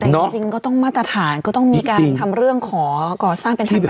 แต่จริงก็ต้องมาตรฐานก็ต้องมีการทำเรื่องขอก่อสร้างเป็นธรรม